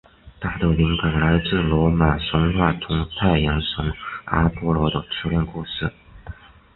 它的灵感来自罗马神话中太阳神阿波罗的初恋故事。